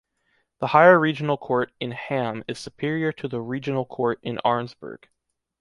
The Higher Regional Court in Hamm is superior to the Reginal Court in Arnsberg.